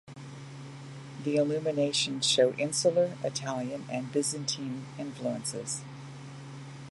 The illuminations show Insular, Italian and Byzantine influences.